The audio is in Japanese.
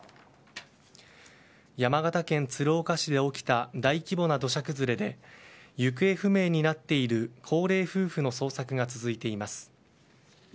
山形県鶴岡市で起きた大規模な土砂崩れで行方不明になっている高齢夫婦の捜索が続いています。